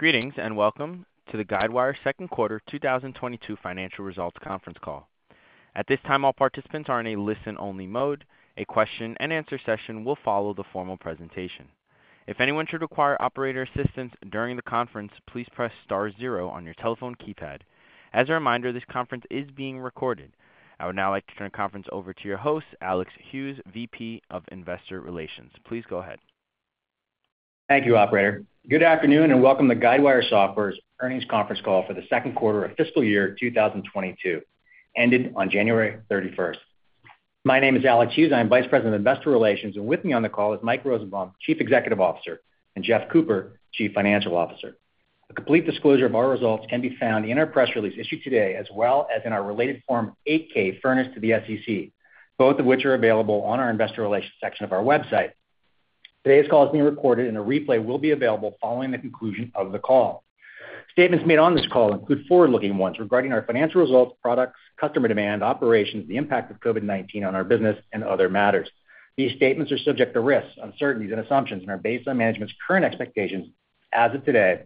Greetings, and welcome to the Guidewire second quarter 2022 financial results conference call. At this time, all participants are in a listen-only mode. A question-and-answer session will follow the formal presentation. If anyone should require operator assistance during the conference, please press star zero on your telephone keypad. As a reminder, this conference is being recorded. I would now like to turn the conference over to your host, Alex Hughes, VP of Investor Relations. Please go ahead. Thank you, operator. Good afternoon, and welcome to Guidewire Software's earnings conference call for the second quarter of fiscal year 2022, ended on January 31. My name is Alex Hughes. I am Vice President of Investor Relations, and with me on the call is Mike Rosenbaum, Chief Executive Officer, and Jeff Cooper, Chief Financial Officer. A complete disclosure of our results can be found in our press release issued today, as well as in our related Form 8-K furnished to the SEC, both of which are available on our investor relations section of our website. Today's call is being recorded, and a replay will be available following the conclusion of the call. Statements made on this call include forward-looking ones regarding our financial results, products, customer demand, operations, the impact of COVID-19 on our business, and other matters. These statements are subject to risks, uncertainties and assumptions and are based on management's current expectations as of today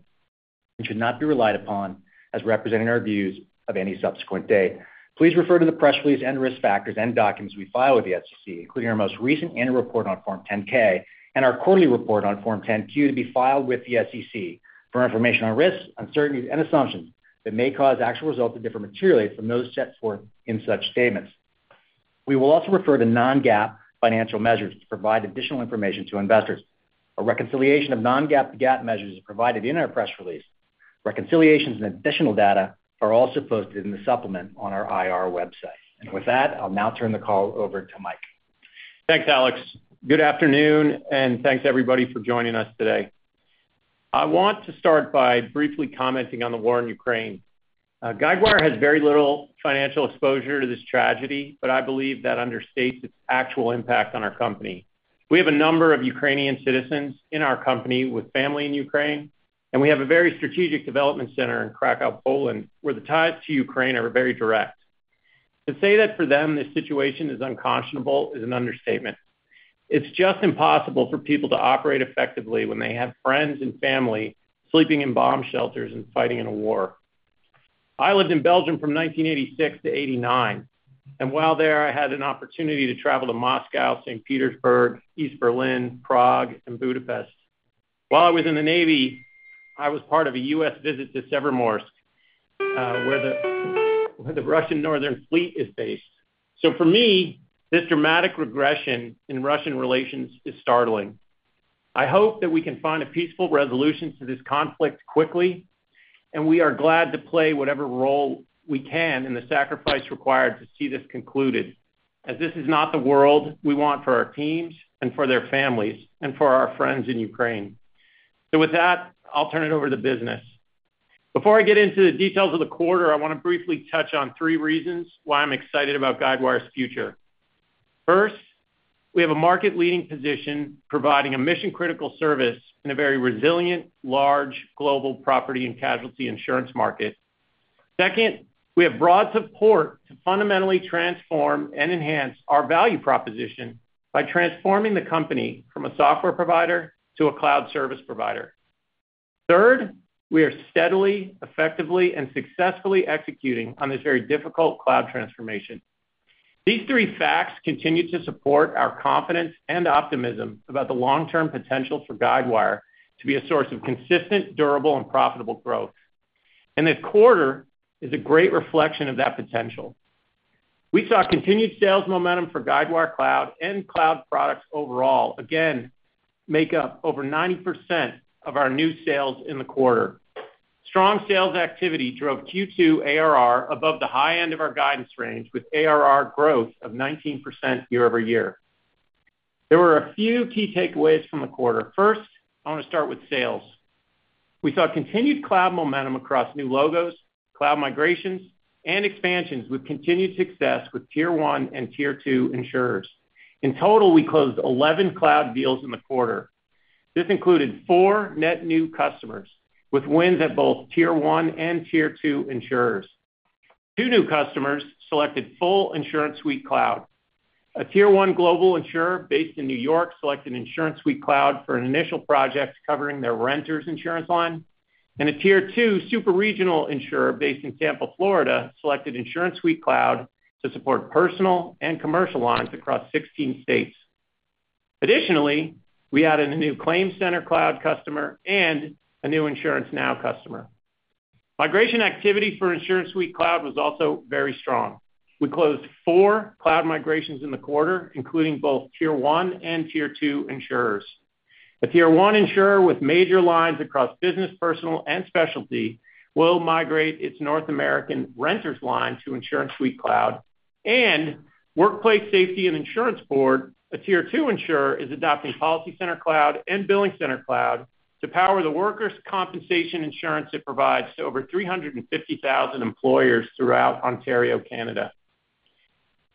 and should not be relied upon as representing our views of any subsequent date. Please refer to the press release and risk factors and documents we file with the SEC, including our most recent annual report on Form 10-K and our quarterly report on Form 10-Q to be filed with the SEC for information on risks, uncertainties and assumptions that may cause actual results to differ materially from those set forth in such statements. We will also refer to non-GAAP financial measures to provide additional information to investors. A reconciliation of non-GAAP to GAAP measures is provided in our press release. Reconciliations and additional data are also posted in the supplement on our IR website. With that, I'll now turn the call over to Mike. Thanks, Alex. Good afternoon, and thanks, everybody, for joining us today. I want to start by briefly commenting on the war in Ukraine. Guidewire has very little financial exposure to this tragedy, but I believe that understates its actual impact on our company. We have a number of Ukrainian citizens in our company with family in Ukraine, and we have a very strategic development center in Kraków, Poland, where the ties to Ukraine are very direct. To say that for them this situation is unconscionable is an understatement. It's just impossible for people to operate effectively when they have friends and family sleeping in bomb shelters and fighting in a war. I lived in Belgium from 1986 to 1989, and while there, I had an opportunity to travel to Moscow, St. Petersburg, East Berlin, Prague and Budapest. While I was in the Navy, I was part of a U.S. visit to Severomorsk, where the Russian Northern Fleet is based. For me, this dramatic regression in Russian relations is startling. I hope that we can find a peaceful resolution to this conflict quickly, and we are glad to play whatever role we can in the sacrifice required to see this concluded, as this is not the world we want for our teams and for their families and for our friends in Ukraine. With that, I'll turn it over to business. Before I get into the details of the quarter, I wanna briefly touch on three reasons why I'm excited about Guidewire's future. First, we have a market-leading position providing a mission-critical service in a very resilient, large global property and casualty insurance market. Second, we have broad support to fundamentally transform and enhance our value proposition by transforming the company from a software provider to a cloud service provider. Third, we are steadily, effectively, and successfully executing on this very difficult cloud transformation. These three facts continue to support our confidence and optimism about the long-term potential for Guidewire to be a source of consistent, durable, and profitable growth. This quarter is a great reflection of that potential. We saw continued sales momentum for Guidewire Cloud and cloud products overall again make up over 90% of our new sales in the quarter. Strong sales activity drove Q2 ARR above the high end of our guidance range with ARR growth of 19% year-over-year. There were a few key takeaways from the quarter. First, I wanna start with sales. We saw continued cloud momentum across new logos, cloud migrations, and expansions with continued success with tier one and tier two insurers. In total, we closed 11 cloud deals in the quarter. This included four net new customers with wins at both tier one and tier two insurers. Two new customers selected full InsuranceSuite Cloud. A tier one global insurer based in New York selected InsuranceSuite Cloud for an initial project covering their renters insurance line, and a tier two super-regional insurer based in Tampa, Florida, selected InsuranceSuite Cloud to support personal and commercial lines across 16 states. Additionally, we added a new ClaimCenter Cloud customer and a new InsuranceNow customer. Migration activity for InsuranceSuite Cloud was also very strong. We closed four cloud migrations in the quarter, including both tier one and tier two insurers. A Tier 1 insurer with major lines across business, personal, and specialty will migrate its North American renters line to InsuranceSuite Cloud and Workplace Safety and Insurance Board, a Tier 2 insurer, is adopting PolicyCenter Cloud and BillingCenter Cloud to power the workers' compensation insurance it provides to over 350,000 employers throughout Ontario, Canada.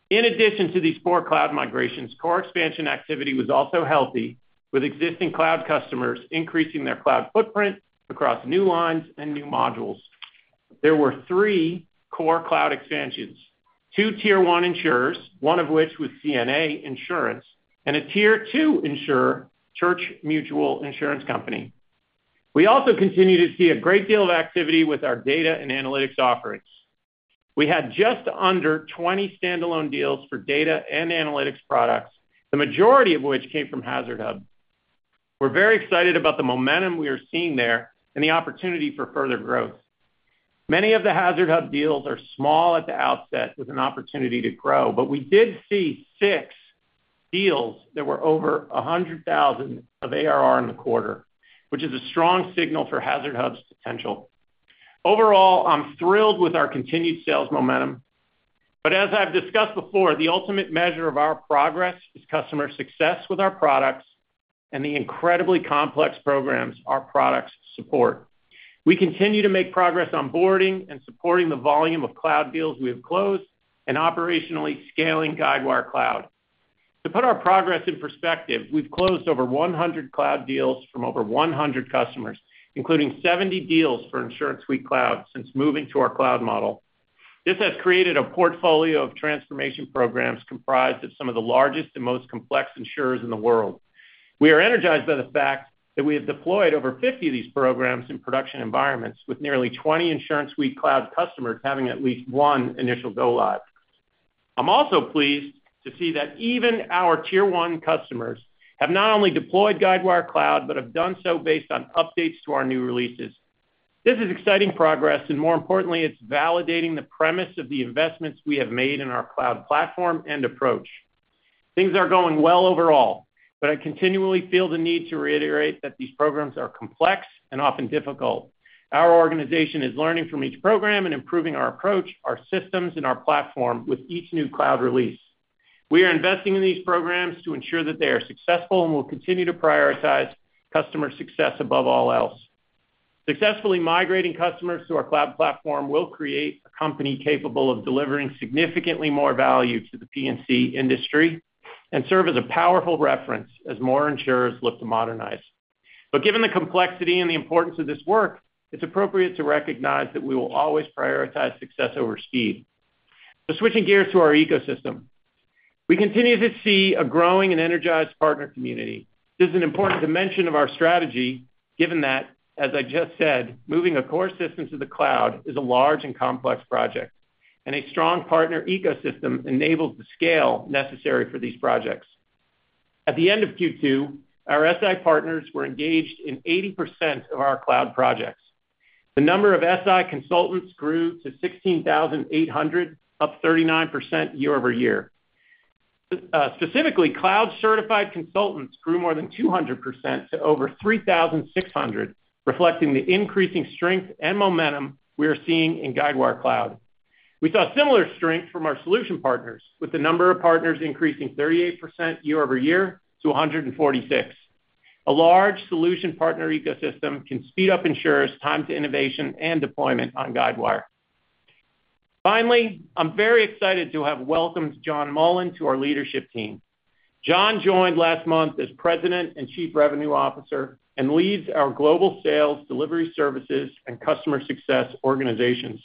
In addition to these four cloud migrations, core expansion activity was also healthy, with existing cloud customers increasing their cloud footprint across new lines and new modules. There were three core cloud expansions: two Tier 1 insurers, one of which was CNA Insurance, and a Tier 2 insurer, Church Mutual Insurance Company. We also continue to see a great deal of activity with our data and analytics offerings. We had just under 20 standalone deals for data and analytics products, the majority of which came from HazardHub. We're very excited about the momentum we are seeing there and the opportunity for further growth. Many of the HazardHub deals are small at the outset with an opportunity to grow, but we did see 6 deals that were over 100,000 of ARR in the quarter, which is a strong signal for HazardHub's potential. Overall, I'm thrilled with our continued sales momentum, but as I've discussed before, the ultimate measure of our progress is customer success with our products and the incredibly complex programs our products support. We continue to make progress onboarding and supporting the volume of cloud deals we have closed and operationally scaling Guidewire Cloud. To put our progress in perspective, we've closed over 100 cloud deals from over 100 customers, including 70 deals for InsuranceSuite Cloud since moving to our cloud model. This has created a portfolio of transformation programs comprised of some of the largest and most complex insurers in the world. We are energized by the fact that we have deployed over 50 of these programs in production environments with nearly 20 InsuranceSuite Cloud customers having at least one initial go-live. I'm also pleased to see that even our Tier 1 customers have not only deployed Guidewire Cloud, but have done so based on updates to our new releases. This is exciting progress, and more importantly, it's validating the premise of the investments we have made in our cloud platform and approach. Things are going well overall, but I continually feel the need to reiterate that these programs are complex and often difficult. Our organization is learning from each program and improving our approach, our systems, and our platform with each new cloud release. We are investing in these programs to ensure that they are successful and will continue to prioritize customer success above all else. Successfully migrating customers to our cloud platform will create a company capable of delivering significantly more value to the P&C industry and serve as a powerful reference as more insurers look to modernize. Given the complexity and the importance of this work, it's appropriate to recognize that we will always prioritize success over speed. Switching gears to our ecosystem. We continue to see a growing and energized partner community. This is an important dimension of our strategy, given that, as I just said, moving a core system to the cloud is a large and complex project, and a strong partner ecosystem enables the scale necessary for these projects. At the end of Q2, our SI partners were engaged in 80% of our cloud projects. The number of SI consultants grew to 16,800, up 39% year-over-year. Specifically, cloud-certified consultants grew more than 200% to over 3,600, reflecting the increasing strength and momentum we are seeing in Guidewire Cloud. We saw similar strength from our solution partners, with the number of partners increasing 38% year-over-year to 146. A large solution partner ecosystem can speed up insurers' time to innovation and deployment on Guidewire. Finally, I'm very excited to have welcomed John Mullen to our leadership team. John joined last month as President and Chief Revenue Officer and leads our global sales, delivery services, and customer success organizations.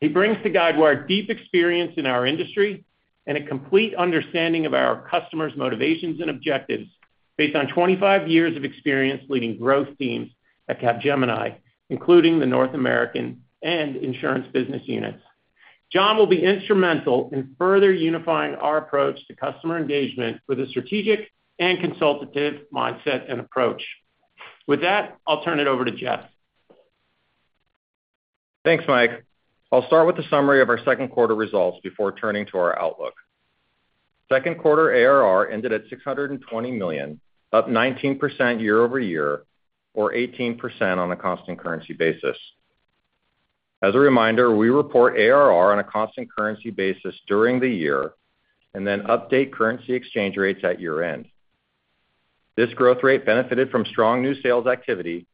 He brings to Guidewire deep experience in our industry and a complete understanding of our customers' motivations and objectives based on 25 years of experience leading growth teams at Capgemini, including the North American and insurance business units. John will be instrumental in further unifying our approach to customer engagement with a strategic and consultative mindset and approach. With that, I'll turn it over to Jeff. Thanks, Mike. I'll start with a summary of our second quarter results before turning to our outlook. Second quarter ARR ended at $620 million, up 19% year-over-year, or 18% on a constant currency basis. As a reminder, we report ARR on a constant currency basis during the year and then update currency exchange rates at year-end. This growth rate benefited from strong new sales activity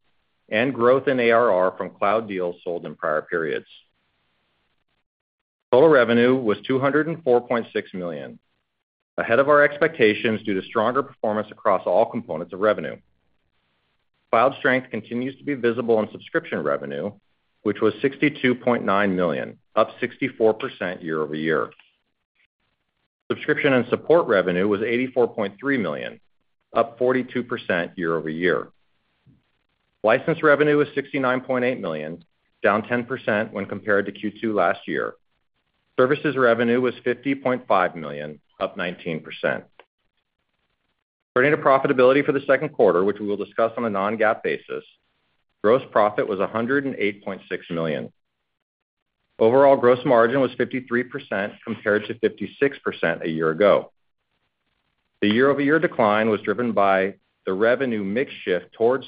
and growth in ARR from cloud deals sold in prior periods. Total revenue was $204.6 million, ahead of our expectations due to stronger performance across all components of revenue. Cloud strength continues to be visible in subscription revenue, which was $62.9 million, up 64% year-over-year. Subscription and support revenue was $84.3 million, up 42% year-over-year. License revenue was $69.8 million, down 10% when compared to Q2 last year. Services revenue was $50.5 million, up 19%. Turning to profitability for the second quarter, which we will discuss on a non-GAAP basis, gross profit was $108.6 million. Overall gross margin was 53% compared to 56% a year ago. The year-over-year decline was driven by the revenue mix shift towards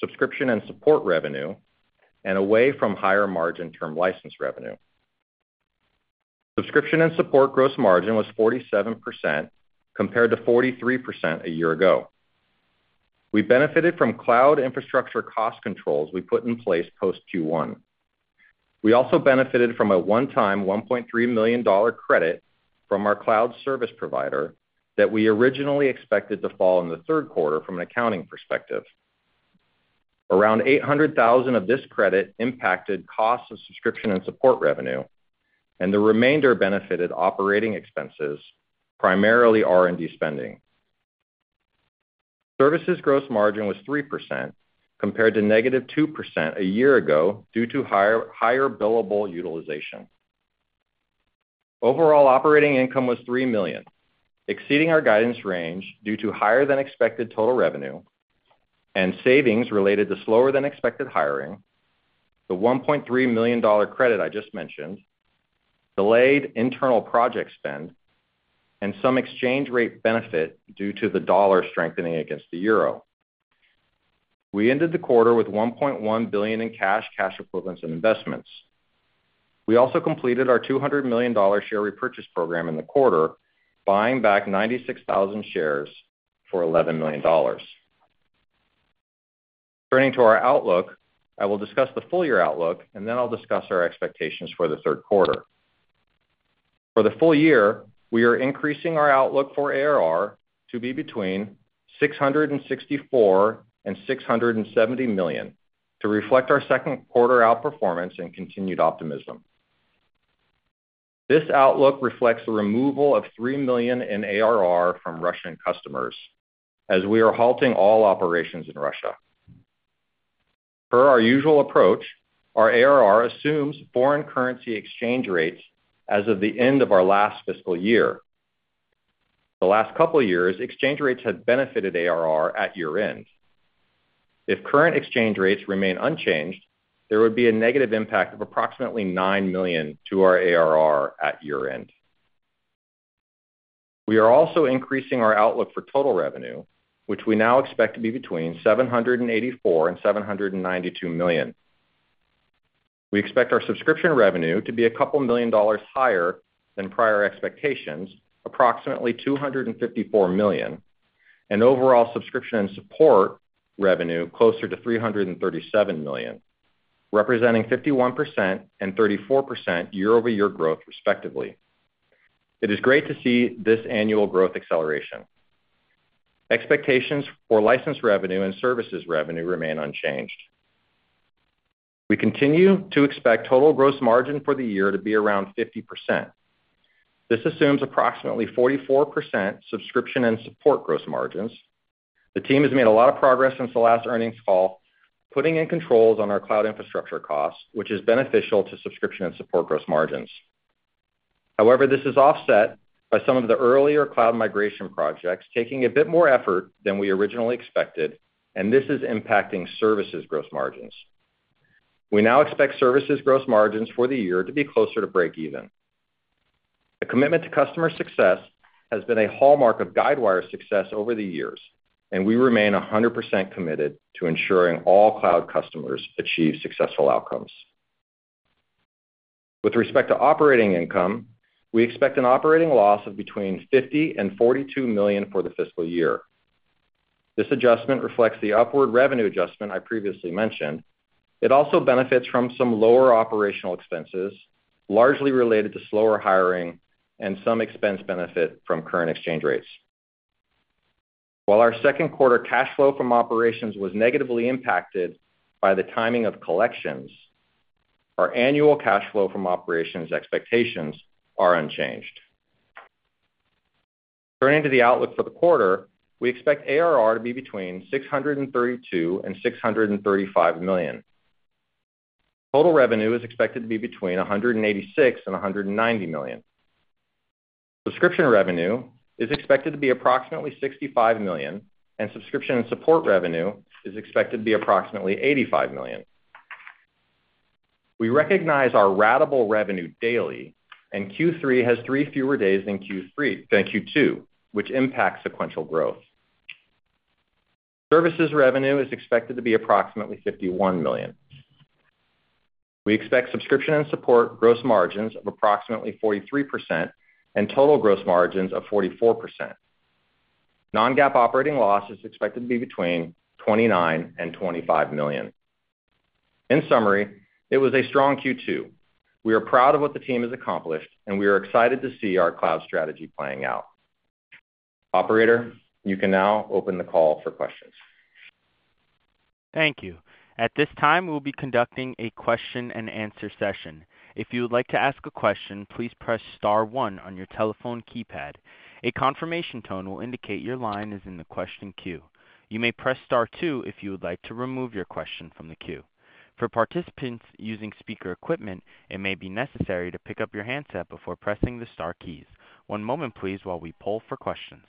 subscription and support revenue and away from higher-margin term license revenue. Subscription and support gross margin was 47%, compared to 43% a year ago. We benefited from cloud infrastructure cost controls we put in place post Q1. We also benefited from a one-time $1.3 million credit from our cloud service provider that we originally expected to fall in the third quarter from an accounting perspective. Around $800,000 of this credit impacted cost of subscription and support revenue, and the remainder benefited operating expenses, primarily R&D spending. Services gross margin was 3% compared to -2% a year ago due to higher billable utilization. Overall operating income was $3 million, exceeding our guidance range due to higher than expected total revenue and savings related to slower than expected hiring, the $1.3 million credit I just mentioned, delayed internal project spend, and some exchange rate benefit due to the dollar strengthening against the euro. We ended the quarter with $1.1 billion in cash equivalents and investments. We also completed our $200 million share repurchase program in the quarter, buying back 96,000 shares for $11 million. Turning to our outlook, I will discuss the full year outlook, and then I'll discuss our expectations for the third quarter. For the full year, we are increasing our outlook for ARR to be between $664 million and $670 million to reflect our second quarter outperformance and continued optimism. This outlook reflects the removal of $3 million in ARR from Russian customers as we are halting all operations in Russia. Per our usual approach, our ARR assumes foreign currency exchange rates as of the end of our last fiscal year. The last couple years, exchange rates have benefited ARR at year-end. If current exchange rates remain unchanged, there would be a negative impact of approximately $9 million to our ARR at year-end. We are also increasing our outlook for total revenue, which we now expect to be between $784 million - $792 million. We expect our subscription revenue to be a couple million dollars higher than prior expectations, approximately $254 million, and overall subscription and support revenue closer to $337 million, representing 51% and 34% year-over-year growth respectively. It is great to see this annual growth acceleration. Expectations for license revenue and services revenue remain unchanged. We continue to expect total gross margin for the year to be around 50%. This assumes approximately 44% subscription and support gross margins. The team has made a lot of progress since the last earnings call, putting in controls on our cloud infrastructure costs, which is beneficial to subscription and support gross margins. However, this is offset by some of the earlier cloud migration projects taking a bit more effort than we originally expected, and this is impacting services gross margins. We now expect services gross margins for the year to be closer to breakeven. A commitment to customer success has been a hallmark of Guidewire's success over the years, and we remain 100% committed to ensuring all cloud customers achieve successful outcomes. With respect to operating income, we expect an operating loss of between $50 million - $42 million for the fiscal year. This adjustment reflects the upward revenue adjustment I previously mentioned. It also benefits from some lower operational expenses, largely related to slower hiring and some expense benefit from current exchange rates. While our second quarter cash flow from operations was negatively impacted by the timing of collections, our annual cash flow from operations expectations are unchanged. Turning to the outlook for the quarter, we expect ARR to be between $632 million - $635 million. Total revenue is expected to be between $186 million - $190 million. Subscription revenue is expected to be approximately $65 million, and subscription and support revenue is expected to be approximately $85 million. We recognize our ratable revenue daily, and Q3 has three fewer days than Q2, which impacts sequential growth. Services revenue is expected to be approximately $51 million. We expect subscription and support gross margins of approximately 43% and total gross margins of 44%. Non-GAAP operating loss is expected to be between $29 million - $25 million. In summary, it was a strong Q2. We are proud of what the team has accomplished, and we are excited to see our cloud strategy playing out. Operator, you can now open the call for questions. Thank you. At this time, we'll be conducting a question and answer session. If you would like to ask a question, please press star one on your telephone keypad. A confirmation tone will indicate your line is in the question queue. You may press star two if you would like to remove your question from the queue. For participants using speaker equipment, it may be necessary to pick up your handset before pressing the star keys. One moment please while we poll for questions.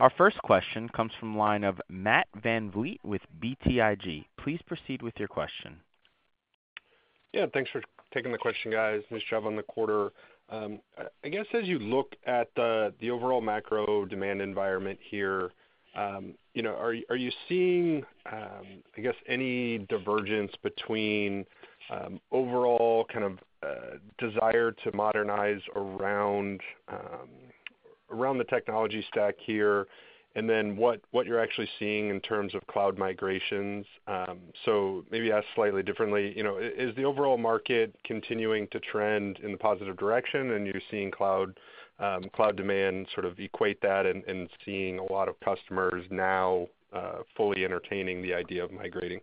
Our first question comes from the line of Matt VanVliet with BTIG. Please proceed with your question. Yeah, thanks for taking the question, guys. Nice job on the quarter. I guess as you look at the overall macro demand environment here, you know, are you seeing any divergence between overall kind of desire to modernize around the technology stack here, and then what you're actually seeing in terms of cloud migrations. Maybe ask slightly differently, you know, is the overall market continuing to trend in a positive direction and you're seeing cloud demand sort of equate that and seeing a lot of customers now fully entertaining the idea of migrating?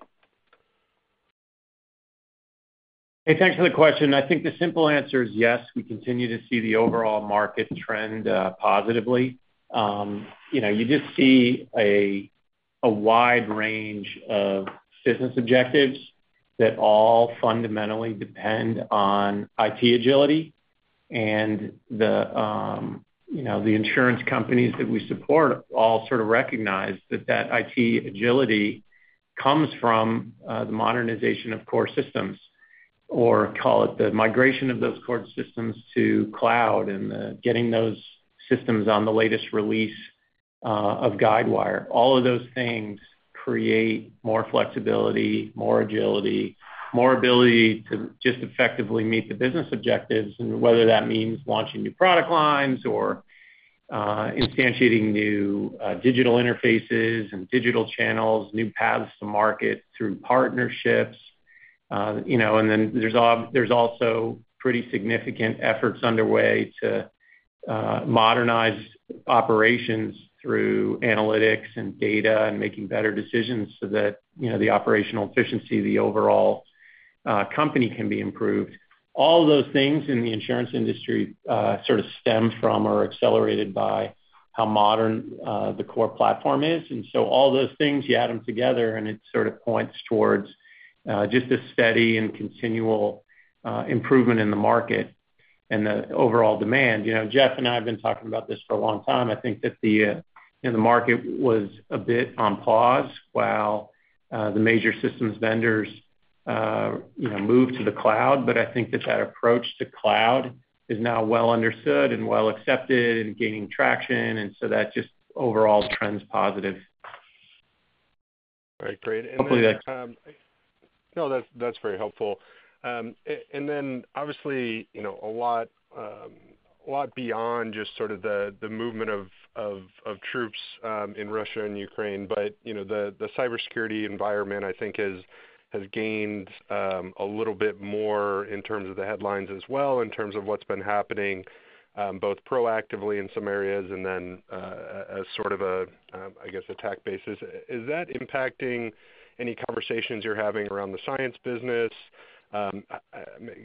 Hey, thanks for the question. I think the simple answer is yes, we continue to see the overall market trend positively. You know, you just see a wide range of business objectives that all fundamentally depend on IT agility and the you know, the insurance companies that we support all sort of recognize that IT agility comes from the modernization of core systems, or call it the migration of those core systems to cloud and the getting those systems on the latest release of Guidewire. All of those things create more flexibility, more agility, more ability to just effectively meet the business objectives, and whether that means launching new product lines or instantiating new digital interfaces and digital channels, new paths to market through partnerships. You know, there's also pretty significant efforts underway to modernize operations through analytics and data and making better decisions so that, you know, the operational efficiency of the overall company can be improved. All those things in the insurance industry sort of stem from or are accelerated by how modern the core platform is. All those things, you add them together, and it sort of points towards just a steady and continual improvement in the market and the overall demand. You know, Jeff and I have been talking about this for a long time. I think that the, you know, the market was a bit on pause while the major systems vendors, you know, moved to the cloud. I think that approach to cloud is now well understood and well accepted and gaining traction, and so that just overall trends positive. All right, great. Hopefully that- No, that's very helpful. Obviously, you know, a lot beyond just sort of the movement of troops in Russia and Ukraine, but you know the cybersecurity environment, I think, has gained a little bit more in terms of the headlines as well, in terms of what's been happening both proactively in some areas and then as sort of a I guess attack basis. Is that impacting any conversations you're having around the Cyence business? I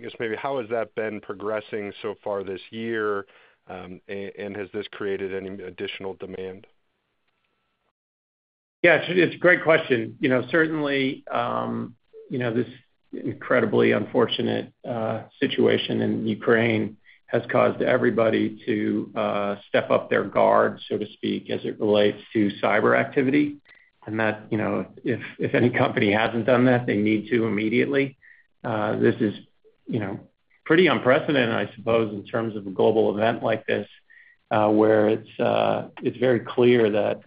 guess maybe how has that been progressing so far this year and has this created any additional demand? Yeah, it's a great question. You know, certainly, you know, this incredibly unfortunate situation in Ukraine has caused everybody to step up their guard, so to speak, as it relates to cyber activity. That, you know, if any company hasn't done that, they need to immediately. This is, you know, pretty unprecedented, I suppose, in terms of a global event like this, where it's very clear that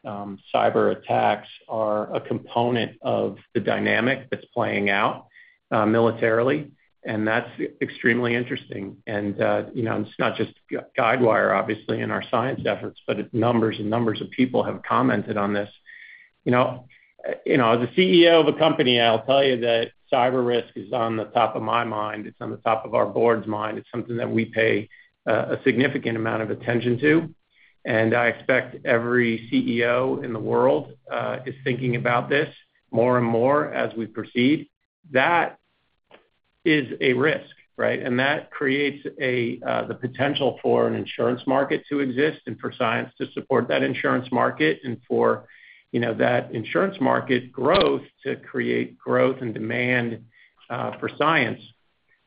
cyberattacks are a component of the dynamic that's playing out militarily, and that's extremely interesting. You know, it's not just Guidewire, obviously, in our Cyence efforts, but numbers of people have commented on this. You know, as a CEO of a company, I'll tell you that cyber risk is on the top of my mind. It's on the top of our board's mind. It's something that we pay a significant amount of attention to. I expect every CEO in the world is thinking about this more and more as we proceed. That is a risk, right? That creates the potential for an insurance market to exist and for Cyence to support that insurance market and for, you know, that insurance market growth to create growth and demand for Cyence.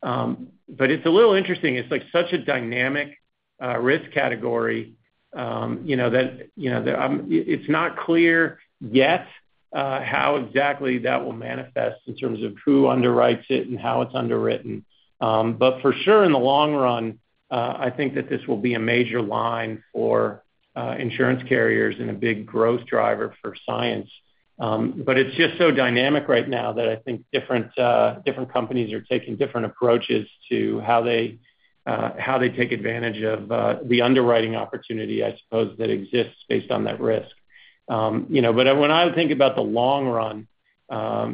It's a little interesting. It's like such a dynamic risk category, you know, that it's not clear yet how exactly that will manifest in terms of who underwrites it and how it's underwritten. For sure, in the long run, I think that this will be a major line for insurance carriers and a big growth driver for Cyence. It's just so dynamic right now that I think different companies are taking different approaches to how they take advantage of the underwriting opportunity, I suppose, that exists based on that risk. You know, when I think about the long run,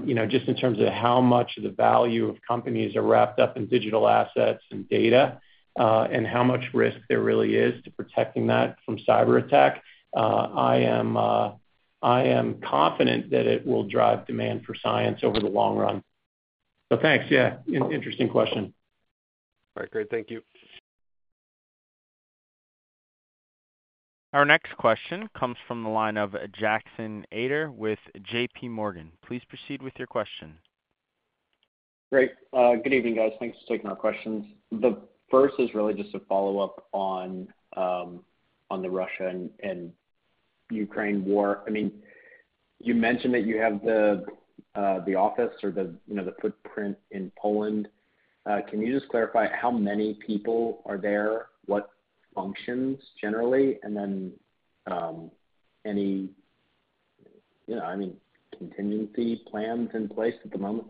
you know, just in terms of how much of the value of companies are wrapped up in digital assets and data, and how much risk there really is to protecting that from cyberattack, I am confident that it will drive demand for Cyence over the long run. Thanks. Yeah, interesting question. All right, great. Thank you. Our next question comes from the line of Jackson Ader with JP Morgan. Please proceed with your question. Great. Good evening, guys. Thanks for taking our questions. The first is really just a follow-up on the Russia and Ukraine war. I mean, you mentioned that you have the office or the, you know, the footprint in Poland. Can you just clarify how many people are there, what functions generally, and then any, you know, I mean, contingency plans in place at the moment?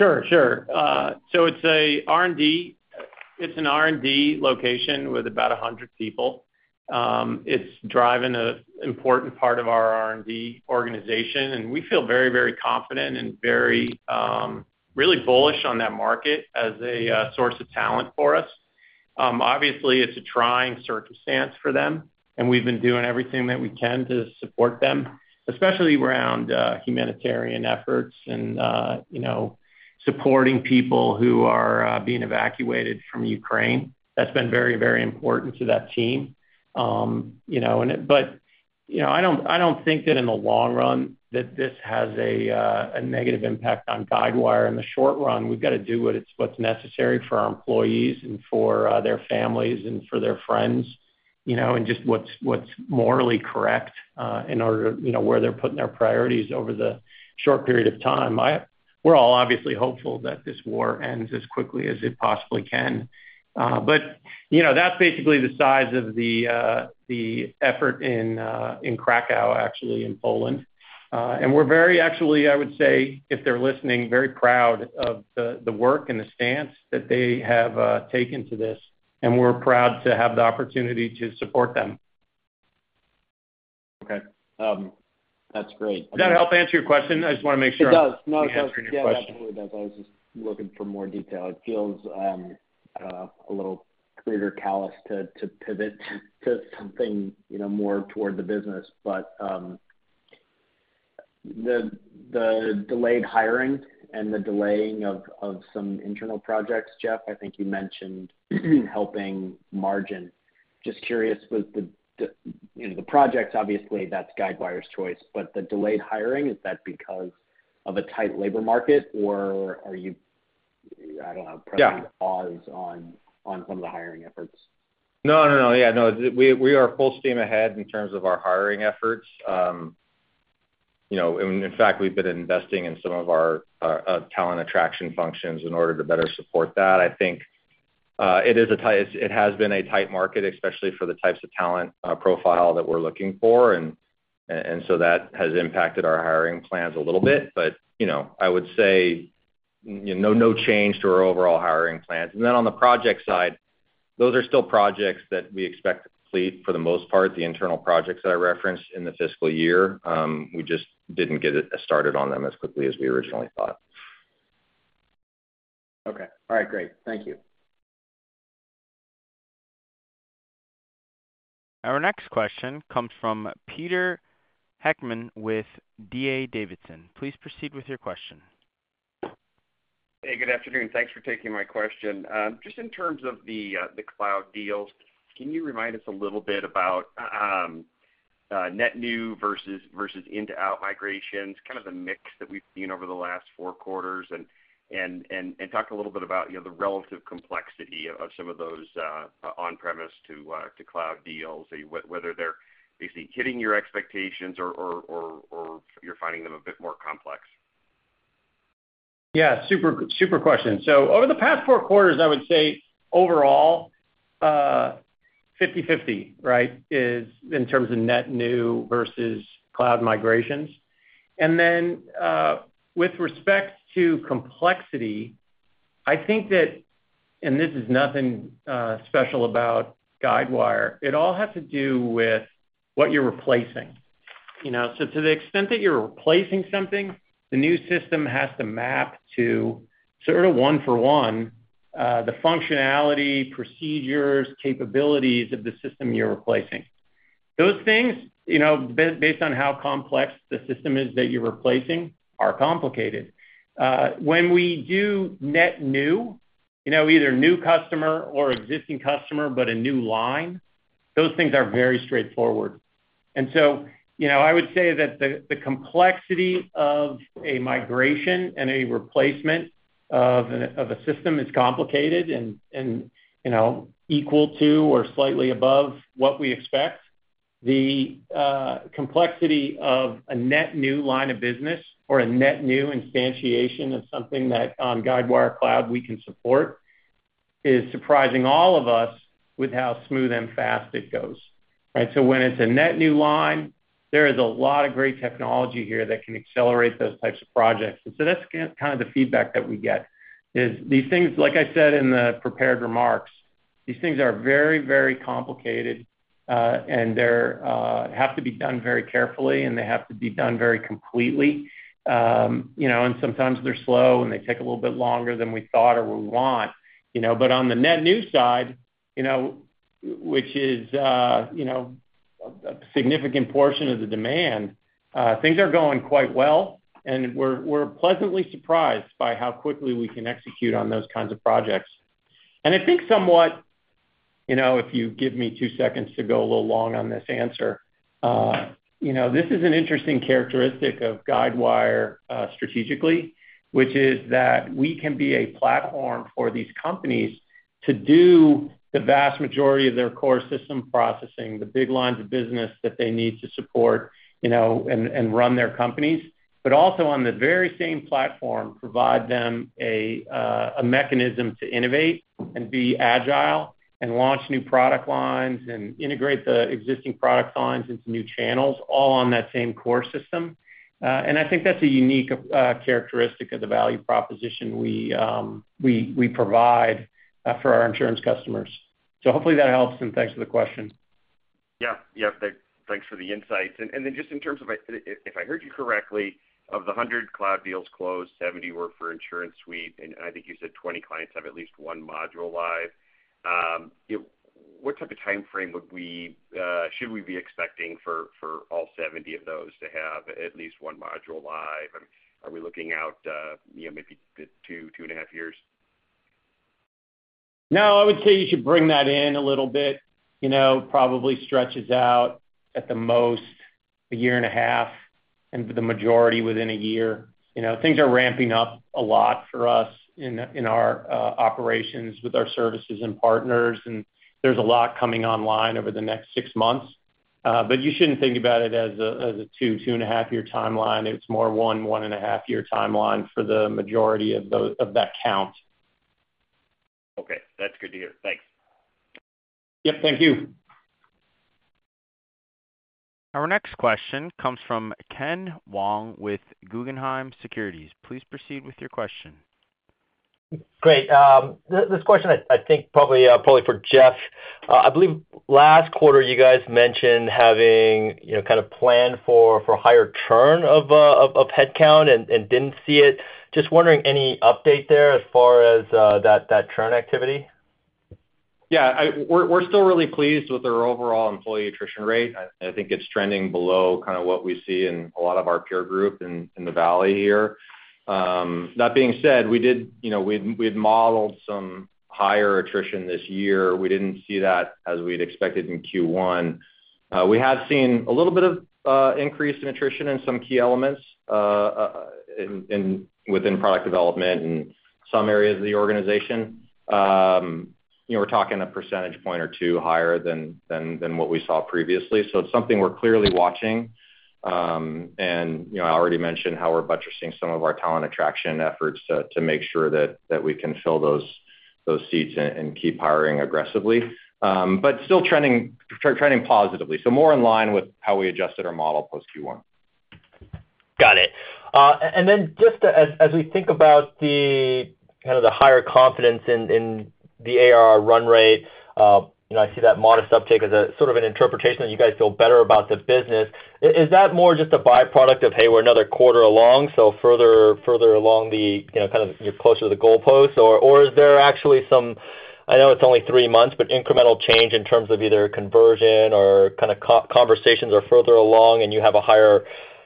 Sure, sure. So it's an R&D location with about 100 people. It's driving an important part of our R&D organization, and we feel very confident and really bullish on that market as a source of talent for us. Obviously, it's a trying circumstance for them, and we've been doing everything that we can to support them, especially around humanitarian efforts and you know, supporting people who are being evacuated from Ukraine. That's been very, very important to that team. You know, I don't think that in the long run that this has a negative impact on Guidewire. In the short run, we've got to do what's necessary for our employees and for their families and for their friends, you know, and just what's morally correct, in order, you know, where they're putting their priorities over the short period of time. We're all obviously hopeful that this war ends as quickly as it possibly can. You know, that's basically the size of the effort in Kraków, actually in Poland. We're very actually, I would say, if they're listening, very proud of the work and the stance that they have taken to this, and we're proud to have the opportunity to support them. Okay. That's great. Does that help answer your question? I just wanna make sure. It does. I'm answering your question. Yeah, it absolutely does. I was just looking for more detail. It feels a little crude or callous to pivot to something, you know, more toward the business. The delayed hiring and the delaying of some internal projects, Jeff, I think you mentioned helping margin. Just curious with the you know, the projects, obviously, that's Guidewire's choice, but the delayed hiring, is that because of a tight labor market, or are you, I don't know- Yeah. Pressing pause on some of the hiring efforts? No, no. Yeah, no. We are full steam ahead in terms of our hiring efforts. You know, in fact, we've been investing in some of our talent attraction functions in order to better support that. I think it has been a tight market, especially for the types of talent profile that we're looking for. So that has impacted our hiring plans a little bit. You know, I would say no change to our overall hiring plans. Then on the project side, those are still projects that we expect to complete, for the most part, the internal projects that I referenced in the fiscal year. We just didn't get started on them as quickly as we originally thought. Okay. All right, great. Thank you. Our next question comes from Peter Heckmann with D.A. Davidson. Please proceed with your question. Hey, good afternoon. Thanks for taking my question. Just in terms of the cloud deals, can you remind us a little bit about net new versus in-to-out migrations, kind of the mix that we've seen over the last four quarters? Talk a little bit about, you know, the relative complexity of some of those on-premise to cloud deals, whether they're basically hitting your expectations or you're finding them a bit more complex. Yeah. Super, super question. Over the past four quarters, I would say overall, 50/50, right, is in terms of net new versus cloud migrations. With respect to complexity, I think that, and this is nothing special about Guidewire. It all has to do with what you're replacing. You know, so to the extent that you're replacing something, the new system has to map to sort of 1-for-1, the functionality, procedures, capabilities of the system you're replacing. Those things, you know, based on how complex the system is that you're replacing, are complicated. When we do net new, you know, either new customer or existing customer, but a new line, those things are very straightforward. You know, I would say that the complexity of a migration and a replacement of a system is complicated and you know, equal to or slightly above what we expect. The complexity of a net new line of business or a net new instantiation of something that on Guidewire Cloud we can support is surprising all of us with how smooth and fast it goes, right? When it's a net new line, there is a lot of great technology here that can accelerate those types of projects. That's kind of the feedback that we get, is these things, like I said in the prepared remarks, these things are very, very complicated, and they have to be done very carefully, and they have to be done very completely. You know, sometimes they're slow, and they take a little bit longer than we thought or we want. You know, on the net new side, you know, which is a significant portion of the demand, things are going quite well, and we're pleasantly surprised by how quickly we can execute on those kinds of projects. I think somewhat, you know, if you give me two seconds to go a little long on this answer, you know, this is an interesting characteristic of Guidewire, strategically, which is that we can be a platform for these companies to do the vast majority of their core system processing, the big lines of business that they need to support, you know, and run their companies. Also on the very same platform, provide them a mechanism to innovate and be agile and launch new product lines and integrate the existing product lines into new channels, all on that same core system. I think that's a unique characteristic of the value proposition we provide for our insurance customers. Hopefully that helps, and thanks for the question. Thanks for the insights. If I heard you correctly, of the 100 cloud deals closed, 70 were for InsuranceSuite, and I think you said 20 clients have at least one module live. What type of timeframe should we be expecting for all 70 of those to have at least one module live? Are we looking out, you know, maybe 2 and a half years? No, I would say you should bring that in a little bit. You know, probably stretches out at the most a year and a half, and the majority within a year. You know, things are ramping up a lot for us in our operations with our services and partners, and there's a lot coming online over the next six months. You shouldn't think about it as a two and a half year timeline. It's more one and a half year timeline for the majority of that count. Okay. That's good to hear. Thanks. Yep. Thank you. Our next question comes from Ken Wong with Guggenheim Securities. Please proceed with your question. Great. This question I think probably for Jeff. I believe last quarter you guys mentioned having, you know, kind of planned for higher churn of headcount and didn't see it. Just wondering any update there as far as that churn activity? We're still really pleased with our overall employee attrition rate. I think it's trending below kind of what we see in a lot of our peer group in the valley here. That being said, you know, we had modeled some higher attrition this year. We didn't see that as we'd expected in Q1. We have seen a little bit of increase in attrition in some key elements within product development and some areas of the organization. You know, we're talking a percentage point or two higher than what we saw previously. It's something we're clearly watching. You know, I already mentioned how we're buttressing some of our talent attraction efforts to make sure that we can fill those seats and keep hiring aggressively. still trending positively. More in line with how we adjusted our model post Q1. Got it. Then just as we think about the kind of higher confidence in the ARR run rate, you know, I see that modest uptick as a sort of an interpretation that you guys feel better about the business. Is that more just a by-product of, hey, we're another quarter along, so further along the, you know, kind of you're closer to the goalpost? Or is there actually some, I know it's only three months, but incremental change in terms of either conversion or kind of conversations are further along, and you have a higher,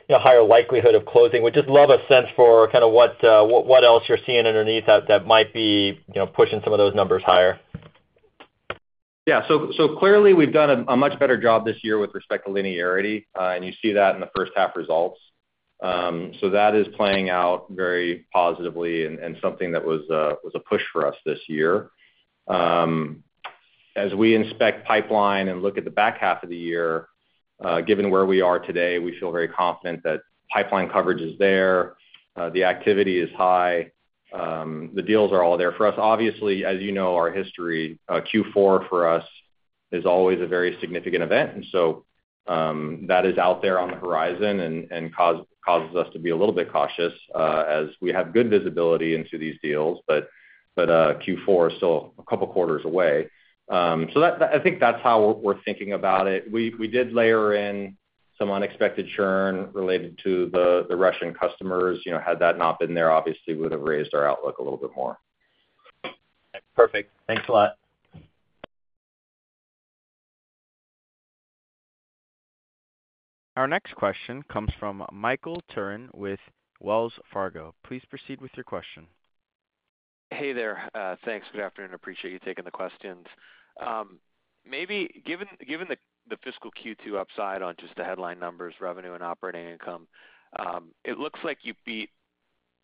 you know, higher likelihood of closing? Would just love a sense for kind of what else you're seeing underneath that might be, you know, pushing some of those numbers higher. Yeah. Clearly, we've done a much better job this year with respect to linearity, and you see that in the first half results. That is playing out very positively, and something that was a push for us this year. As we inspect pipeline and look at the back half of the year, given where we are today, we feel very confident that pipeline coverage is there. The activity is high. The deals are all there for us. Obviously, as you know our history, Q4 for us is always a very significant event. That is out there on the horizon and causes us to be a little bit cautious, as we have good visibility into these deals, but Q4 is still a couple quarters away. I think that's how we're thinking about it. We did layer in some unexpected churn related to the Russian customers. You know, had that not been there, obviously we'd have raised our outlook a little bit more. Perfect. Thanks a lot. Our next question comes from Michael Turrin with Wells Fargo. Please proceed with your question. Hey there. Thanks. Good afternoon. Appreciate you taking the questions. Maybe given the fiscal Q2 upside on just the headline numbers, revenue and operating income, it looks like you beat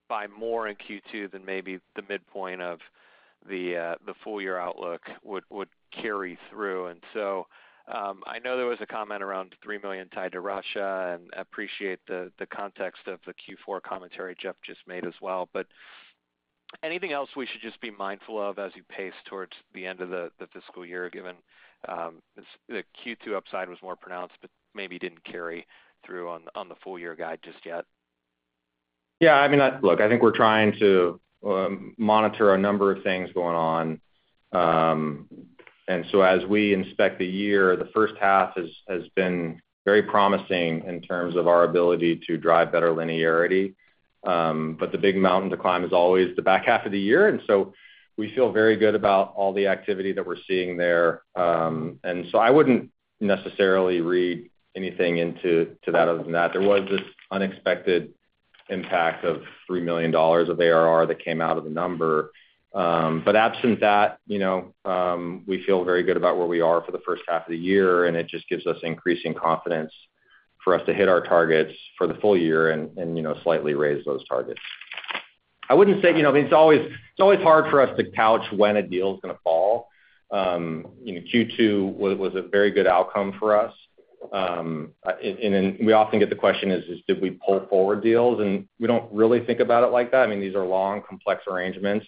by more in Q2 than maybe the midpoint of the full year outlook would carry through. I know there was a comment around $3 million tied to Russia, and appreciate the context of the Q4 commentary Jeff just made as well. Anything else we should just be mindful of as you pace towards the end of the fiscal year, given the Q2 upside was more pronounced but maybe didn't carry through on the full year guide just yet? Yeah. I mean, look, I think we're trying to monitor a number of things going on. As we inspect the year, the first half has been very promising in terms of our ability to drive better linearity. The big mountain to climb is always the back half of the year, and so we feel very good about all the activity that we're seeing there. I wouldn't necessarily read anything into that other than that. There was this unexpected impact of $3 million of ARR that came out of the number. Absent that, you know, we feel very good about where we are for the first half of the year, and it just gives us increasing confidence for us to hit our targets for the full year and, you know, slightly raise those targets. I wouldn't say. You know, I mean, it's always hard for us to call when a deal's gonna close. You know, Q2 was a very good outcome for us. We often get the question, did we pull forward deals? We don't really think about it like that. I mean, these are long, complex arrangements.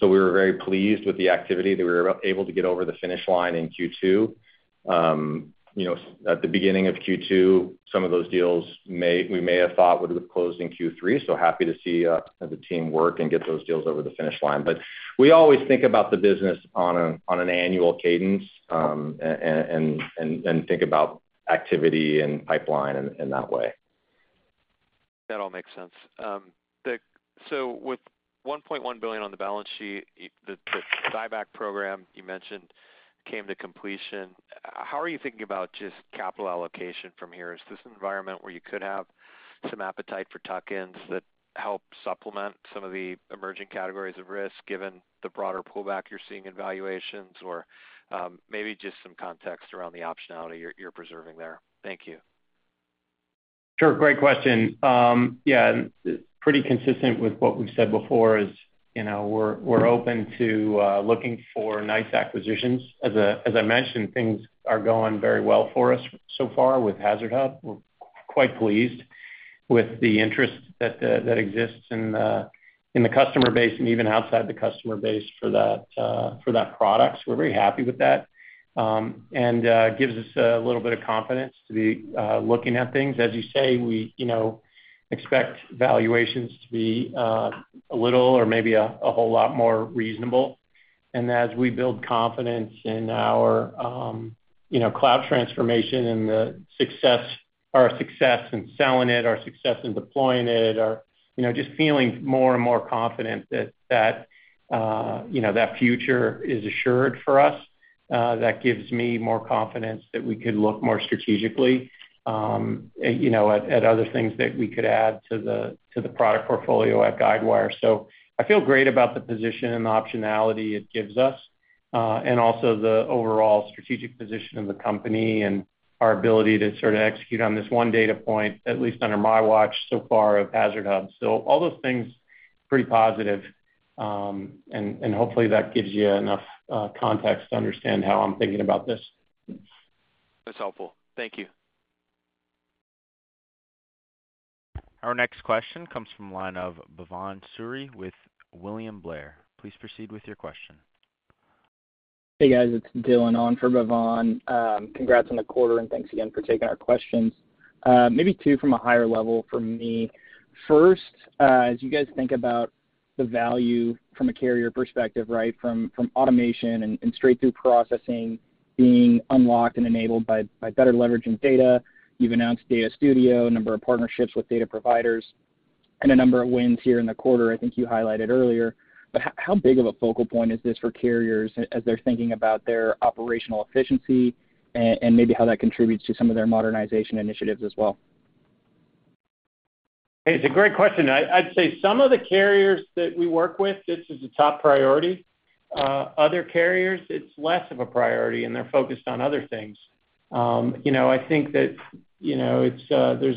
We were very pleased with the activity that we were able to get over the finish line in Q2. You know, at the beginning of Q2, some of those deals we may have thought would have closed in Q3, so happy to see the team work and get those deals over the finish line. We always think about the business on an annual cadence, and then think about activity and pipeline in that way. That all makes sense. With $1.1 billion on the balance sheet, the buyback program you mentioned came to completion. How are you thinking about just capital allocation from here? Is this an environment where you could have some appetite for tuck-ins that help supplement some of the emerging categories of risk, given the broader pullback you're seeing in valuations? Maybe just some context around the optionality you're preserving there. Thank you. Sure. Great question. Yeah, pretty consistent with what we've said before is, you know, we're open to looking for nice acquisitions. As I mentioned, things are going very well for us so far with HazardHub. We're quite pleased with the interest that exists in the customer base and even outside the customer base for that product. So we're very happy with that. Gives us a little bit of confidence to be looking at things. As you say, we, you know, expect valuations to be a little or maybe a whole lot more reasonable. As we build confidence in our, you know, cloud transformation and our success in selling it, our success in deploying it, our, you know, just feeling more and more confident that that future is assured for us, that gives me more confidence that we could look more strategically, you know, at other things that we could add to the product portfolio at Guidewire. I feel great about the position and the optionality it gives us, and also the overall strategic position of the company and our ability to sort of execute on this one data point, at least under my watch so far of HazardHub. All those things, pretty positive. Hopefully that gives you enough context to understand how I'm thinking about this. That's helpful. Thank you. Our next question comes from the line of Bhavan Suri with William Blair. Please proceed with your question. Hey, guys, it's Dylan on for Bhavan. Congrats on the quarter, and thanks again for taking our questions. Maybe two from a higher level from me. First, as you guys think about the value from a carrier perspective, right, from automation and straight through processing being unlocked and enabled by better leveraging data. You've announced Data Studio, a number of partnerships with data providers, and a number of wins here in the quarter, I think you highlighted earlier. How big of a focal point is this for carriers as they're thinking about their operational efficiency and maybe how that contributes to some of their modernization initiatives as well? It's a great question. I'd say some of the carriers that we work with, this is a top priority. Other carriers, it's less of a priority, and they're focused on other things. You know, I think that, you know, there's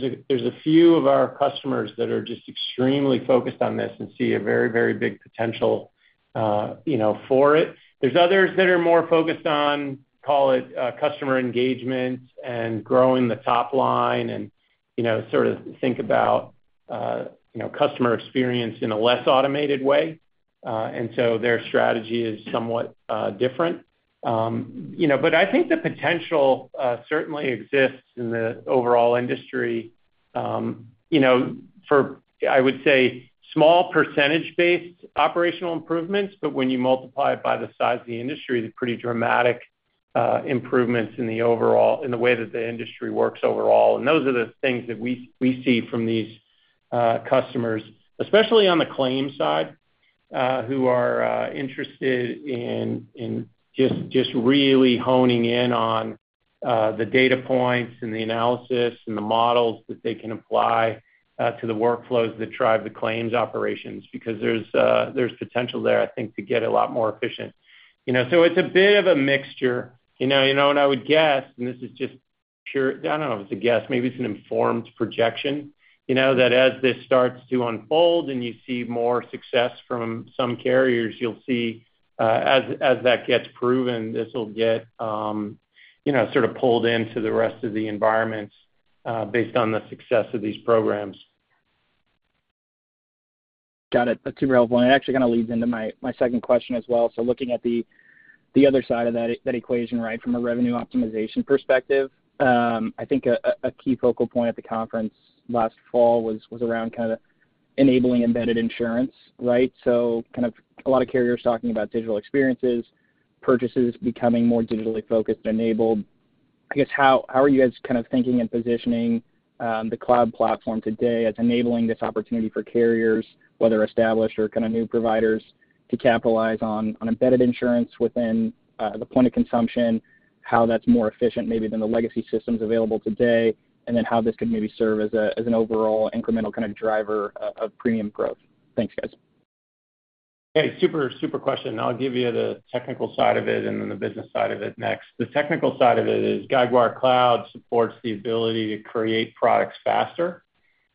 a few of our customers that are just extremely focused on this and see a very big potential, you know, for it. There's others that are more focused on, call it, customer engagement and growing the top line and, you know, sort of think about, you know, customer experience in a less automated way. Their strategy is somewhat different. You know, I think the potential certainly exists in the overall industry, you know, for, I would say, small percentage-based operational improvements, but when you multiply it by the size of the industry, they're pretty dramatic improvements in the way that the industry works overall. Those are the things that we see from these customers, especially on the claims side, who are interested in just really honing in on the data points and the analysis and the models that they can apply to the workflows that drive the claims operations because there's potential there, I think, to get a lot more efficient. You know, it's a bit of a mixture. You know what I would guess, and this is just I don't know if it's a guess, maybe it's an informed projection, you know, that as this starts to unfold and you see more success from some carriers, you'll see, as that gets proven, this will get, you know, sort of pulled into the rest of the environments, based on the success of these programs. Got it. That's super relevant. Actually kind of leads into my second question as well. Looking at the other side of that equation, right, from a revenue optimization perspective, I think a key focal point at the conference last fall was around kind of enabling embedded insurance, right? Kind of a lot of carriers talking about digital experiences, purchases becoming more digitally focused, enabled. I guess, how are you guys kind of thinking and positioning the cloud platform today as enabling this opportunity for carriers, whether established or kind of new providers, to capitalize on embedded insurance within the point of consumption, how that's more efficient maybe than the legacy systems available today, and then how this could maybe serve as an overall incremental kind of driver of premium growth? Thanks, guys. Hey, super question. I'll give you the technical side of it and then the business side of it next. The technical side of it is Guidewire Cloud supports the ability to create products faster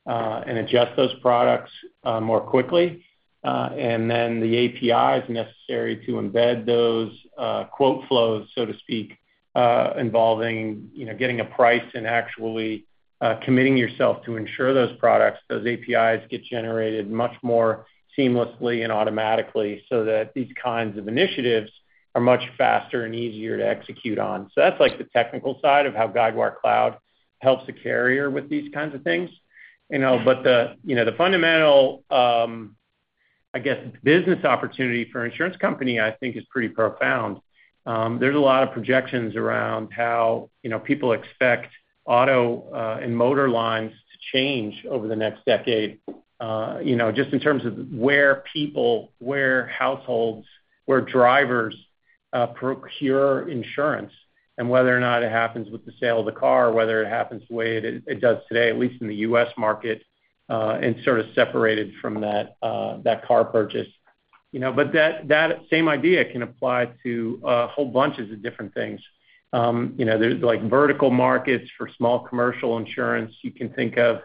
and adjust those products more quickly. Then the APIs necessary to embed those quote flows, so to speak, involving, you know, getting a price and actually committing yourself to insure those products, those APIs get generated much more seamlessly and automatically so that these kinds of initiatives are much faster and easier to execute on. So that's like the technical side of how Guidewire Cloud helps a carrier with these kinds of things. You know, the fundamental, you know, the fundamental, I guess, business opportunity for an insurance company, I think, is pretty profound. There's a lot of projections around how, you know, people expect auto and motor lines to change over the next decade, you know, just in terms of where people, where households, where drivers procure insurance and whether or not it happens with the sale of the car, whether it happens the way it does today, at least in the U.S. market, and sort of separated from that car purchase. You know? That same idea can apply to a whole bunches of different things. You know, there's like vertical markets for small commercial insurance. You can think of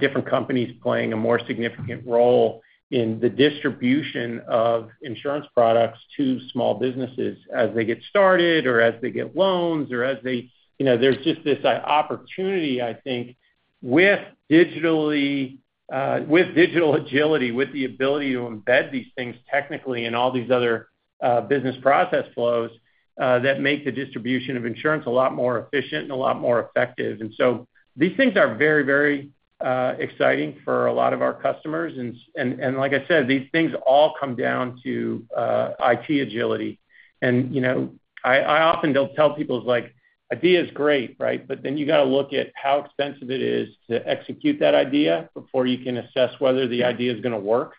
different companies playing a more significant role in the distribution of insurance products to small businesses as they get started or as they get loans or as they... You know, there's just this opportunity, I think, with digital agility, with the ability to embed these things technically and all these other business process flows that make the distribution of insurance a lot more efficient and a lot more effective. These things are very exciting for a lot of our customers. Like I said, these things all come down to IT agility. You know, I often don't tell people it's like idea is great, right? But then you gotta look at how expensive it is to execute that idea before you can assess whether the idea is gonna work.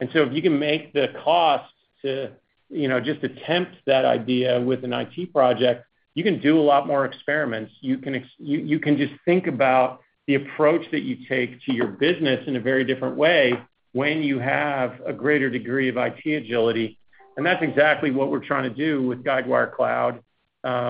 If you can make the cost to, you know, just attempt that idea with an IT project, you can do a lot more experiments. You can just think about the approach that you take to your business in a very different way when you have a greater degree of IT agility. That's exactly what we're trying to do with Guidewire Cloud,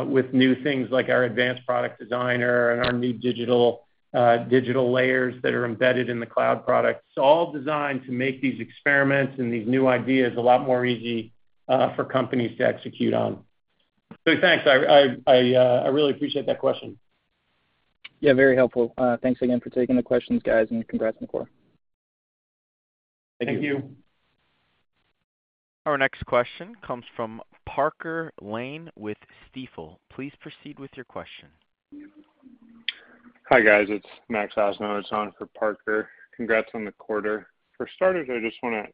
with new things like our Advanced Product Designer and our new digital layers that are embedded in the cloud products, all designed to make these experiments and these new ideas a lot more easy for companies to execute on. Thanks. I really appreciate that question. Yeah, very helpful. Thanks again for taking the questions, guys, and congrats on the quarter. Thank you. Our next question comes from Parker Lane with Stifel. Please proceed with your question. Hi, guys. It's Max Osnow on for Parker. Congrats on the quarter. For starters, I just wanna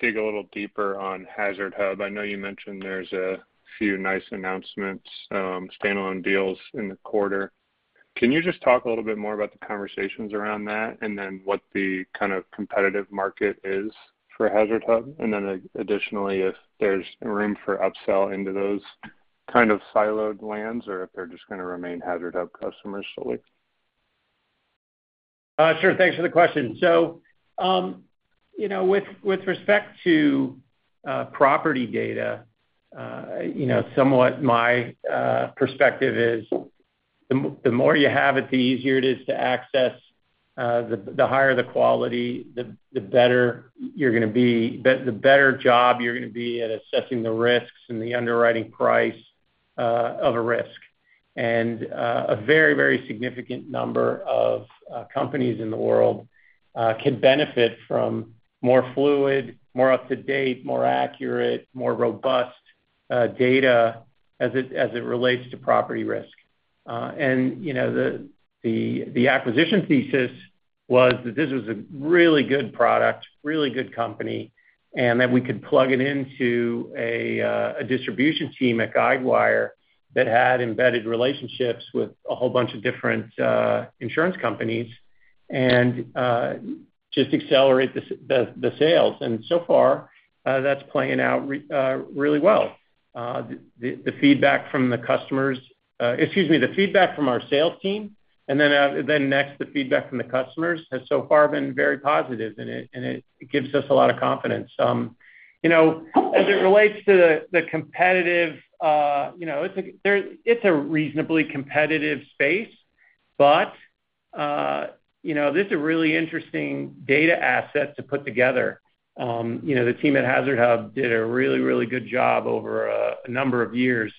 dig a little deeper on HazardHub. I know you mentioned there's a few nice announcements, standalone deals in the quarter. Can you just talk a little bit more about the conversations around that and then what the kind of competitive market is for HazardHub? Additionally, if there's room for upsell into those kind of siloed lands or if they're just gonna remain HazardHub customers solely? Sure. Thanks for the question. You know, with respect to property data, you know, from my perspective, the more you have it, the easier it is to access, the higher the quality, the better you're gonna be, the better job you're gonna be at assessing the risks and the underwriting price of a risk. A very significant number of companies in the world can benefit from more fluid, more up-to-date, more accurate, more robust data as it relates to property risk. You know, the acquisition thesis was that this was a really good product, really good company, and that we could plug it into a distribution team at Guidewire that had embedded relationships with a whole bunch of different insurance companies and just accelerate the sales. So far, that's playing out really well. The feedback from our sales team and then the feedback from the customers has so far been very positive, and it gives us a lot of confidence. You know, as it relates to the competitive, you know, it's a reasonably competitive space, but you know, this is a really interesting data asset to put together. You know, the team at HazardHub did a really good job over a number of years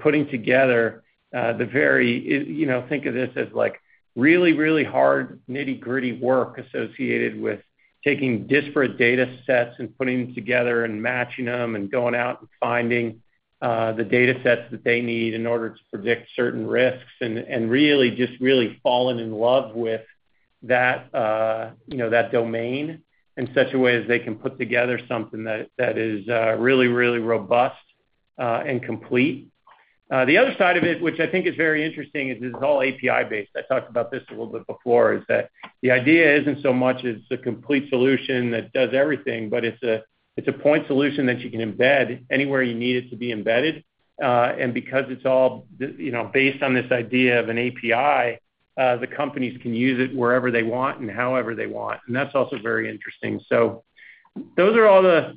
putting together you know, think of this as, like, really hard nitty-gritty work associated with taking disparate data sets and putting them together and matching them and going out and finding the data sets that they need in order to predict certain risks and really just falling in love with that you know, that domain in such a way as they can put together something that is really robust and complete. The other side of it, which I think is very interesting, is this is all API-based. I talked about this a little bit before, is that the idea isn't so much it's a complete solution that does everything, but it's a point solution that you can embed anywhere you need it to be embedded. Because it's all based on this idea of an API, the companies can use it wherever they want and however they want, and that's also very interesting. Those are all the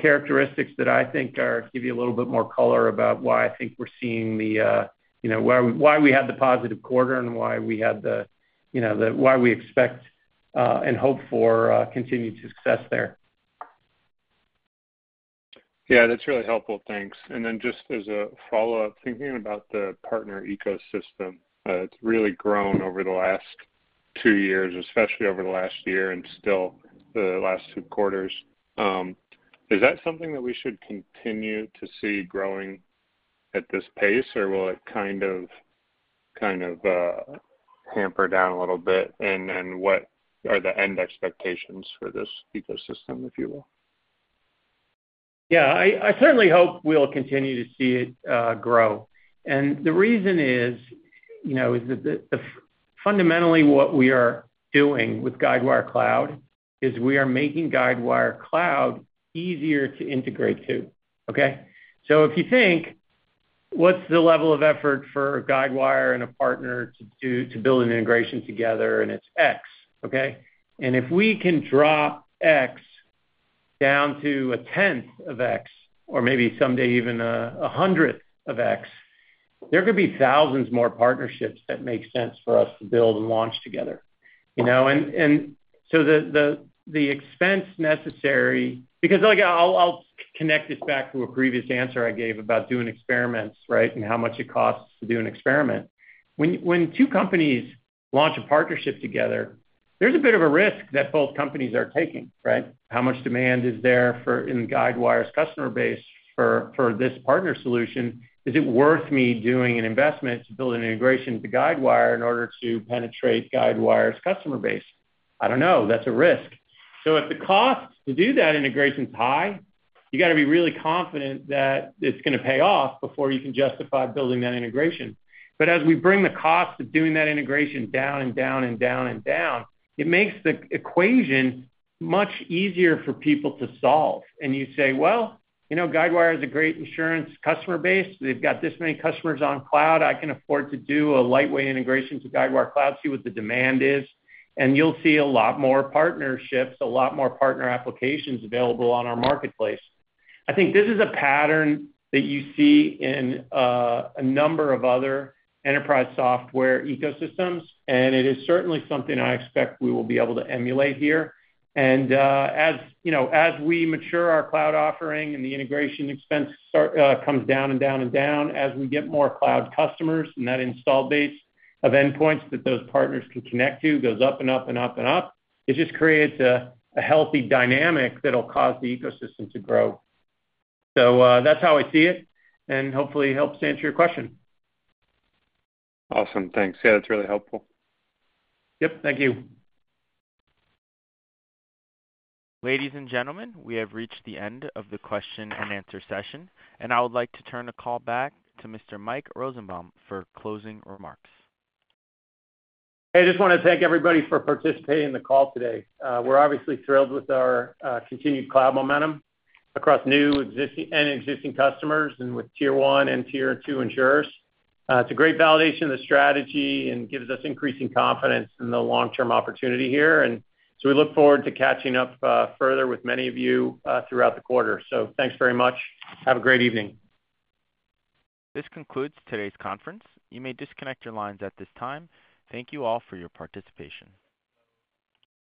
characteristics that I think give you a little bit more color about why I think we're seeing why we had the positive quarter and why we expect and hope for continued success there. Yeah, that's really helpful. Thanks. Just as a follow-up, thinking about the partner ecosystem, it's really grown over the last two years, especially over the last year and still the last two quarters. Is that something that we should continue to see growing at this pace, or will it kind of taper down a little bit and what are any expectations for this ecosystem, if you will? Yeah. I certainly hope we'll continue to see it grow. The reason is, you know, that fundamentally what we are doing with Guidewire Cloud is we are making Guidewire Cloud easier to integrate to. Okay? If you think what's the level of effort for Guidewire and a partner to build an integration together, and it's X, okay? If we can drop X down to a tenth of X or maybe someday even a hundredth of X, there could be thousands more partnerships that make sense for us to build and launch together, you know. So the expense necessary. Because I'll connect this back to a previous answer I gave about doing experiments, right, and how much it costs to do an experiment. When two companies launch a partnership together, there's a bit of a risk that both companies are taking, right? How much demand is there in Guidewire's customer base for this partner solution? Is it worth me doing an investment to build an integration with Guidewire in order to penetrate Guidewire's customer base? I don't know. That's a risk. So if the cost to do that integration is high, you gotta be really confident that it's gonna pay off before you can justify building that integration. But as we bring the cost of doing that integration down and down and down and down, it makes the equation much easier for people to solve. You say, "Well, you know, Guidewire is a great insurance customer base. They've got this many customers on cloud. I can afford to do a lightweight integration to Guidewire Cloud, see what the demand is." You'll see a lot more partnerships, a lot more partner applications available on our marketplace. I think this is a pattern that you see in a number of other enterprise software ecosystems, and it is certainly something I expect we will be able to emulate here. As you know, as we mature our cloud offering and the integration expense comes down and down and down as we get more cloud customers and that install base of endpoints that those partners can connect to goes up and up and up and up, it just creates a healthy dynamic that'll cause the ecosystem to grow. That's how I see it, and hopefully helps to answer your question. Awesome. Thanks. Yeah, that's really helpful. Yep. Thank you. Ladies and gentlemen, we have reached the end of the question and answer session, and I would like to turn the call back to Mr. Mike Rosenbaum for closing remarks. I just wanna thank everybody for participating in the call today. We're obviously thrilled with our continued cloud momentum across new and existing customers and with tier one and tier two insurers. It's a great validation of the strategy and gives us increasing confidence in the long-term opportunity here. We look forward to catching up further with many of you throughout the quarter. Thanks very much. Have a great evening. This concludes today's conference. You may disconnect your lines at this time. Thank you all for your participation.